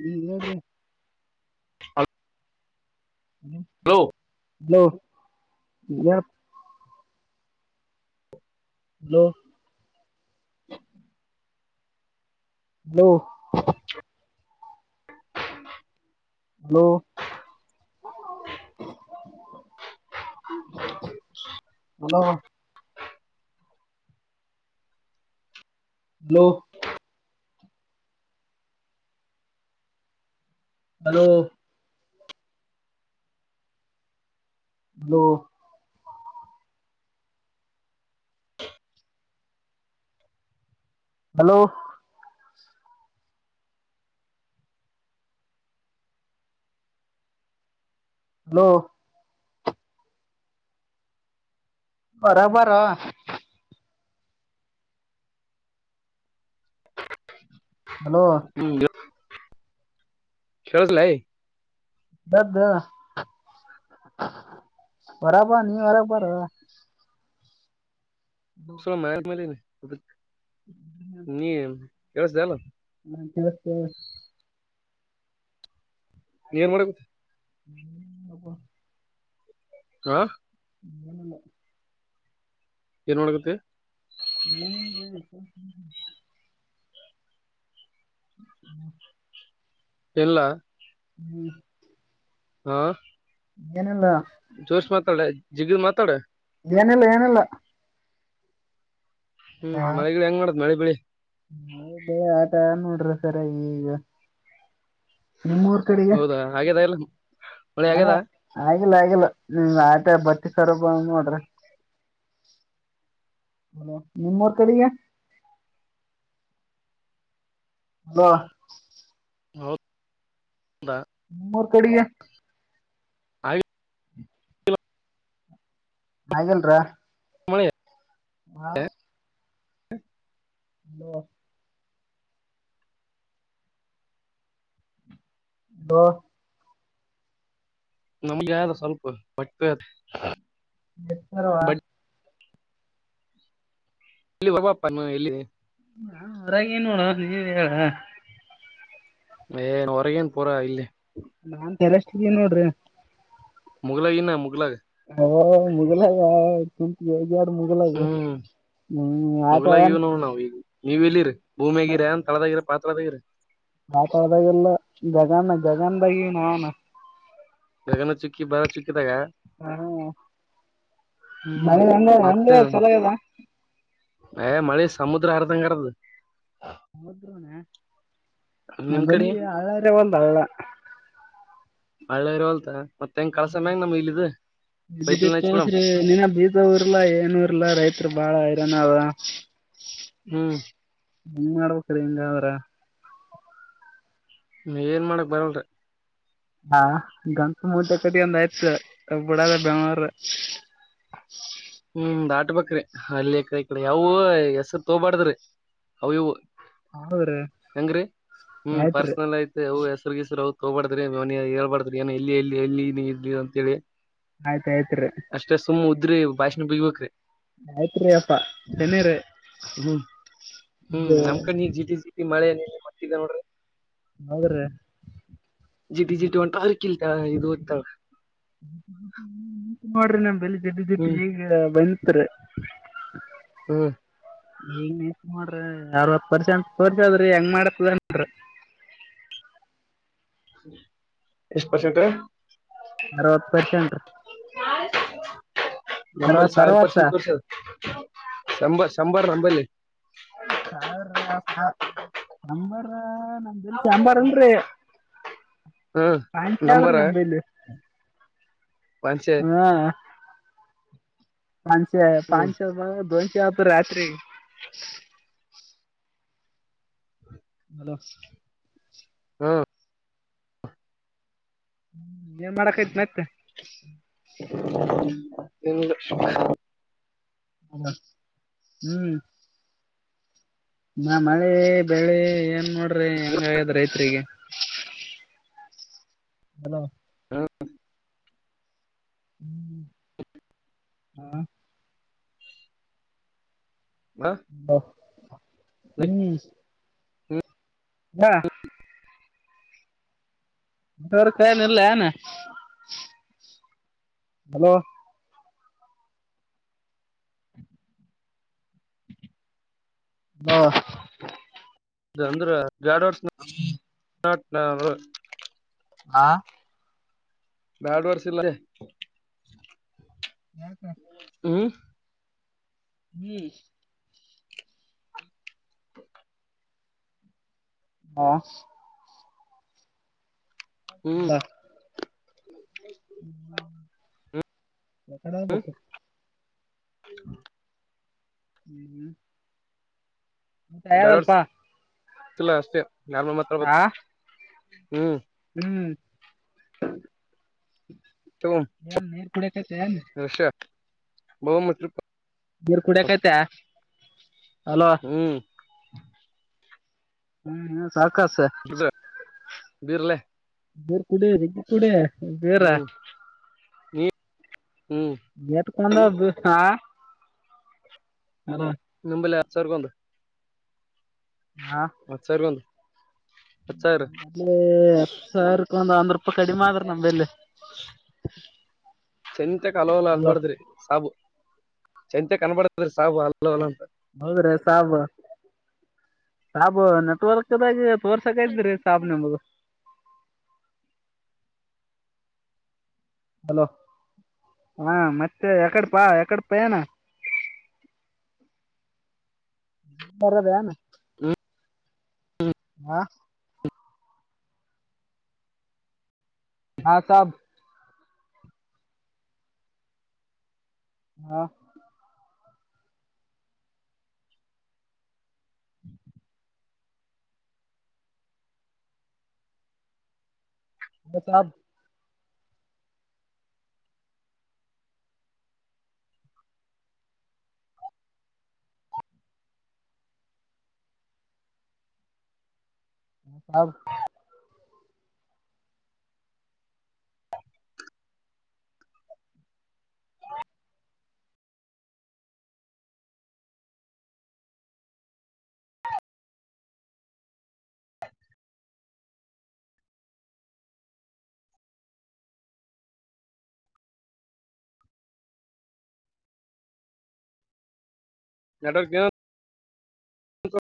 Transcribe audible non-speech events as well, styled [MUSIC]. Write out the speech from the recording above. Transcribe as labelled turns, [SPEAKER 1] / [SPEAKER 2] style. [SPEAKER 1] ನೀ ಹೇಳ್ರಿ.
[SPEAKER 2] ಹ
[SPEAKER 1] ನಿಮ್
[SPEAKER 2] ಹಲೋ
[SPEAKER 1] ಹಲೋ ಯೆಳ hello hello
[SPEAKER 2] [INAUDIBLE]
[SPEAKER 1] hello hello hello hello hello hello hello ಹೊರಗ್ ಬಾರೋ. ಹಲೋ
[SPEAKER 2] ಕೇಳುಸ್ಲಯ್.
[SPEAKER 1] ಬೆದ್ದ. ಹೊರಗ್ ಬಾ ನೀ ಹೊರಗ್ ಬಾರೋ.
[SPEAKER 2] [UNINTELLIGIBLE] ಸಲ ಮೇಲಮಲೀನಿ ನೀಕೆಳುಸ್ದಲ್ಲ.
[SPEAKER 1] ಹ್ಮ [UNINTELLIGIBLE]
[SPEAKER 2] ನೀ ಹೊರಗ್
[SPEAKER 1] ಹ್ಮ್ ಹಬ
[SPEAKER 2] ಹಾ
[SPEAKER 1] ಹ
[SPEAKER 2] ಏನ್ ಮಾಡಡಗತಿೆ
[SPEAKER 1] ಇ ಹ್ಮ
[SPEAKER 2] ಇಲ್ಲ
[SPEAKER 1] ಹ್ಮ್
[SPEAKER 2] ಹಾ
[SPEAKER 1] ಏನಲ್ಲ
[SPEAKER 2] ಜೋಶ್ ಮಾತಾಡ ಜಿಗಿದ್ ಮಾತಾಡ
[SPEAKER 1] ಏನೆಲ್ಲ ಏನೆಲ್ಲ
[SPEAKER 2] ಹ್ಮ್ ಮಳಿ ಹೆಂಗ ಮಾಡಡತ್ ಮಳೆ ಬಳಿ
[SPEAKER 1] ಹೇ ಆಯತ ನೋಡ್ರಿ ಸರ ಈಗ ನಿಮ್ಮೂರ್ ಕಡೆಗೆ
[SPEAKER 2] ಹೌದಾ ಹಾಗಿದೆ ಇಲ್ಲ
[SPEAKER 1] ಮಳೆ ಆಗಿಲ್ಲ ಆಗಿಲ್ಲ ಆಟ ಬ ಕರಬ ಮಾತ್ರೆ ಹ ನಿಮ್ಮೂರ್ ಕಡೆಿಗೆ ಅ
[SPEAKER 2] ಹೌ
[SPEAKER 1] ಮೂೂರು ಕಡಿಗೆ
[SPEAKER 2] ಆಯ
[SPEAKER 1] ನಗಲ್ರ
[SPEAKER 2] ಮಳ
[SPEAKER 1] ಹಾ
[SPEAKER 2] [UNINTELLIGIBLE]
[SPEAKER 1] ಇ [UNINTELLIGIBLE] ಹ [UNINTELLIGIBLE]
[SPEAKER 2] ನಮ್ಗೆ ಯ್ದ ಸ್ವಲ್ಪ ಬಟ್ಟು ಅದ [INAUDIBLE]
[SPEAKER 1] ಎತ್ತರವ
[SPEAKER 2] ಎಲ್ಲಿ ಬ ಎಲ್ಲಿ
[SPEAKER 1] ಹಾ ಹೊರಾಗ ಏನ್ ನೋಡುವ ನೀವ ಹೇಳ
[SPEAKER 2] ಏನ್ ಹೊರಗೇನ್ ಪರಾ ಇಲ್ಲಿ
[SPEAKER 1] ನಾನ್ ತರೆಷ್ಟಿದ್ದೀ ನೋಡ್ರಿ
[SPEAKER 2] ಮುಗ್ಲಾಗಿಿನ ಮುಗ್ಲಗ್
[SPEAKER 1] ಗೆಡು ಮುಗಲ್ಲ
[SPEAKER 2] ಹ್ಮ್
[SPEAKER 1] ಹ್ಮ್ ಆಯತ ಯ
[SPEAKER 2] ನೀವ್ಲ್ಲಿರರಿ ಭೂಮಿ ಆಗಿರಾ ಅಂತ ತಳದಾಗಿರ ಪಾ ತಳದಾಗಿರ
[SPEAKER 1] ಜಗ ಜಗನ್ ಭ ನಾನ
[SPEAKER 2] ಗಗನ ಚುಕ್ಕಿ ಬಾರ ಚುಕ್ಕಿ
[SPEAKER 1] ಹ್ಮ
[SPEAKER 2] ಹ್ಮ್
[SPEAKER 1] ಮಳ ಒಂದೇ
[SPEAKER 2] ಮತ್ತೆ
[SPEAKER 1] ಚಲದಾ
[SPEAKER 2] ಏ ಮಳಿ ಸಮುದ್ರ ಅರ್ದಂಗರದು
[SPEAKER 1] ಹೌದೂನ ನ
[SPEAKER 2] ನಿಮ್ ಕಡೆ
[SPEAKER 1] ಬನ್ನ ಹಳರ ಒಲ್ಲ ಅವಳ
[SPEAKER 2] ಹಳ್ಳೆ ಇರಲ್ತ ಮತ್ತೆ ಹೆಂಗ್ ಕಳಸ ಮ್ಯಂಗ್ ನಮ್ ಇಲ್ಲು
[SPEAKER 1] ಿದ್ದಿ್ರ ನಿಿನ ಬೀಜ ಊರ್ಲಾ ಏನೂರ್ಲ್ಲಾ ರೈತರು ಬಾಳ ನಾವ
[SPEAKER 2] ಹ್ಮ್
[SPEAKER 1] ಹಂಗ್ ಮಾಡ್ಬೇಕ್ರ ಹಿಂಗ ಅವ್ರ
[SPEAKER 2] ್ಮ ಏನ್ ಮಾಡಕ್ ಬರಲ್ರರಿ
[SPEAKER 1] ಹಾ ಗಂಕ ಮೂಟೆ ಕತಿಯೊಂದ ಆಯ್ತ ಬಿಡದ ಬೆಮಾರ ಹ್ಮ
[SPEAKER 2] ಹ್ಮ ದಾಟ್ ಬಕ್ರಿ ಅಲ್ಲಿ ಎಕಡೆ ಈಡೆ ಯಾವವು ಹೆಸರು ತೋಬಾಡ್ದ್ರಿ ಅ ಇವು
[SPEAKER 1] ಹೌದ್ರಿ
[SPEAKER 2] ಹೆಂಗ್ರೀ ಹ್ಮ್
[SPEAKER 1] ಆಯ್ತ್ರಿ
[SPEAKER 2] ಪರ್ಸನಲ್ ಐತಿ ಅವು ಎಲ್ಲ ವರ್ಗೇಶ್ವರ ಅವ್ ತಗಬಡ್ತಾರೆ ಅವನ ಹೇಳ್ಬಾಡ್ತಾರೆ ಏನ ಎಲ್ಲಿ ಎಲ್ಲಿ ಎಲ್ಲಿ ನೀ ಇ ಅಂತ ಹೇಳಿ
[SPEAKER 1] ಆಯ್ತ್ ಆಯ್ತ್ರಿ
[SPEAKER 2] ಅಷ್ಟೆ ಸುಮ್ಮ ಉದ್ರಿ ಭಾಷಣ ಬಿಗ್ಬೇಕ್ರೀ
[SPEAKER 1] ಆಯ್ತ್ರಿ ಅಪ್ಪಾ ನ್ನಿರ್ದ
[SPEAKER 2] ಹ್ಮ್ ಹ್ಮ್ ನಮ್ ಕಡೆ ನೀ ಜಿಟಿ ಜಿಟಿ ಮಳೆ ನೀ ಮಟ್ಟಗ ನೋಡ್ರಿ
[SPEAKER 1] ಹೌದ್ರೀ
[SPEAKER 2] ಜಿಟಿ ಜಿಟಿ ಒಟ ಹಾರ್ಕಿಲ್ಲ ದತ
[SPEAKER 1] ಮಾಡ್ರಿ ನನ್ ಬೆಲ್ ದಿಡ್ ದಿಟ್ಟ
[SPEAKER 2] ಹ್ಮ್
[SPEAKER 1] ಈಗ ಬಂಥ್ರೋ
[SPEAKER 2] ಹ್ಮ್
[SPEAKER 1] ಈಂಗ ಎ ಮಾಡ್ರಿ ಅರವತ್ ಪರ್ಷ ಅ ಪರ್ಷ ಅದ್ರಿ ಹೆಂಗ್ ಮಾಡತ್ದ ಮಾಡ್ರಿ [UNINTELLIGIBLE]
[SPEAKER 2] ಎಷ್ಟ ಪರ್ಸೆಂಟ್
[SPEAKER 1] ಅರವತ್ತು ಪರ್ಸೆಂಟ್
[SPEAKER 2] ನಂಬಲ್ಲಿ
[SPEAKER 1] ಅರವತ್
[SPEAKER 2] ಸಾವಿರ
[SPEAKER 1] ಅರವತ್ತ
[SPEAKER 2] ಪರ್ಸೆಂಟ್ ತೋರ್ಸರ್ ಶಂಬರ್ ನಂಬಲ್ಲಿ
[SPEAKER 1] ಸಾರ್ ಸ ನಂಬರ ಅಲ್ ಸಾಂಬಾರ್ ಅಲ್ರಿ
[SPEAKER 2] ಹಾ
[SPEAKER 1] ಆಯಕ
[SPEAKER 2] ನಂಬರ
[SPEAKER 1] ಯ್ರಿರಿ ಅಂಬೇಲ್
[SPEAKER 2] ಪಂಚೆ
[SPEAKER 1] ಹಾ ಪನ್ಸೆ
[SPEAKER 2] ಹ್ಮ್
[SPEAKER 1] ಪಚೆ ದೊನ್ಶೆ ಅತು ರತ್ರಿ [UNINTELLIGIBLE]
[SPEAKER 2] ಹ್ಮ
[SPEAKER 1] ಹ್ಮ್ ಏನ್ ಮಾಡಕ್ ಆಯಿತೇ ಮತ್ತೆ
[SPEAKER 2] ಏನಿಲ್ಲ [UNINTELLIGIBLE]
[SPEAKER 1] ಹ ಹ್ಮ್ ನ ಮಳೆ ಬೆಳೆ ಏನ್ ನೋಡ್ರಿ ಹೆಂಗ ಆಗ್ಯದ ರೈತ್ರಿಗೆ ಹಲೋ [UNINTELLIGIBLE] ಹ್ಮ್ ಹಾ ಹ ಹ್ಮ್ ಹೇಳ ವರ್ ಕಾಯನ ಇಲ್ಲ ಏನ ಹಲೋ ಹಾ
[SPEAKER 2] ಇಲ್ಲ ಅಂದ್ರ [UNINTELLIGIBLE]
[SPEAKER 1] ಹಾ
[SPEAKER 2] ಬ್ಯಾಡ್ ವರ್ಸ ಇಲಾರಿ
[SPEAKER 1] [UNINTELLIGIBLE]
[SPEAKER 2] ಹ್ಮ್
[SPEAKER 1] ಹ್ಮ್ ಹೇ
[SPEAKER 2] ಹ್ಮ್
[SPEAKER 1] ಬಾ ಮಕಣ ಬಕ್ಕು
[SPEAKER 2] ಹ
[SPEAKER 1] ಹ್ಮ ನನ್
[SPEAKER 2] ಬ್ಯಾಡ್ ವರ್ಡ್ಸ್
[SPEAKER 1] ಹೇಳಲಪಾ
[SPEAKER 2] ಇಲ್ಲ ಅಷ್ಟೇ ನಾರ್ಮಲ್ ಮಾತಾಡು ಬೇಕು ಹ್ಮ್
[SPEAKER 1] ಹ್ಮ್
[SPEAKER 2] ತಗೋ
[SPEAKER 1] ಯಾರ ನೀರು ಕುಡಿಕತ ಯಾನ್
[SPEAKER 2] ರಷ್ಯಾ [UNINTELLIGIBLE]
[SPEAKER 1] ನೀರ್ ಕುಡಿಯಕೈತೆ ಹಲೋ
[SPEAKER 2] ಹ್ಮ್
[SPEAKER 1] ಹ್ಮ್ ಹ ಸಕ
[SPEAKER 2] ಬೀರ್ಲೆ
[SPEAKER 1] ಕುೂಡ ಕಡ ಬೇರ
[SPEAKER 2] ಹ್ಮ್ ನೀ
[SPEAKER 1] [UNINTELLIGIBLE]
[SPEAKER 2] ಹ್ಮ್
[SPEAKER 1] ಚ ಹಾ
[SPEAKER 2] ನಿಂಬಲ್ಲ ಅಚ್ಚರ್ಕೊ ಅಂದು ಮತ್ ಸರಿ ಬಂದು
[SPEAKER 1] ಹತ್ತು ಸಾವಿರಕ್ಕೆ ಒಂದ್ ಒಂದ್ ರೂಪಾಯಿ ಕಡಿಮೆ ಆದ್ರ ನಮಲ್ಲಿ ಹ್ಮ
[SPEAKER 2] ಚಂತೆಕ್ ಹಲಲ ಅನ್ಬಾರ್ದ್ರಿ ಸಾಬು ಚಂತೆಕ್ ಅನ್ಬಡ್ದ್ರಿ
[SPEAKER 1] ಹ ಹೌದ್ರೆ ಸಾವು ಸಾಬ ನೆಟ್ವರ್ಕ್ದಾಗಿ ತೋರ್ಸಕೈತ್ರಿ ಸಾಬ ನಮಗ ಹ ಹಲೋ ಹಾ ಮತ್ತೆ ಯಕಡ್ ಪ ಯಕಡ ಪಯನ ದ ಬನು [UNINTELLIGIBLE]
[SPEAKER 2] ಹ್ಮ್
[SPEAKER 1] ಆ ಭಾ ಸಾಬ್ ಹ್ಮ ಹ್ಮ ಮಸಬ್ [UNINTELLIGIBLE] ಹ ಸಬ್
[SPEAKER 2] ನಟವ [UNINTELLIGIBLE] ಹೌದ